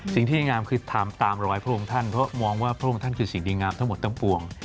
สิ่งที่งามคือทำตามรอยพระองค์ท่านเพราะมองว่าพระองค์ท่านคือสิ่งดีงามทั้งหมดทั้งปวง